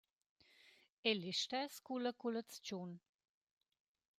E l’istess culla culazchun.